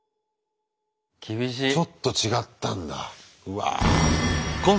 ちょっと違ったんだうわ。